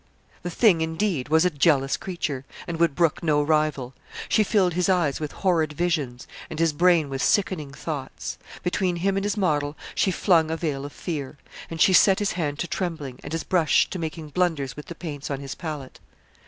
The Thing, indeed, was a jealous creature, and would brook no rival. She filled his eyes with horrid visions, and his brain with sickening thoughts. Between him and his model she flung a veil of fear; and she set his hand to trembling, and his brush to making blunders with the paints on his palette.